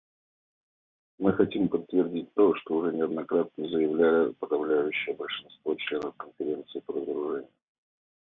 Мы хотим подтвердить то, что уже неоднократно заявляли подавляющее большинство членов Конференции по разоружению.